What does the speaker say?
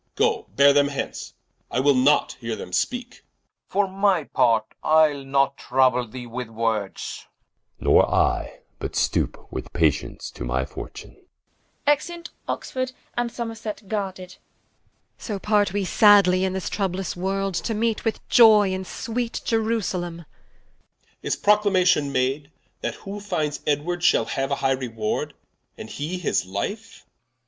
Goe beare them hence, I will not heare them speake Oxf. For my part, Ile not trouble thee with words Som. Nor I, but stoupe with patience to my fortune. Exeunt. Qu. So part we sadly in this troublous World, To meet with Ioy in sweet Ierusalem Edw. Is Proclamation made, That who finds Edward, Shall haue a high Reward, and he his Life?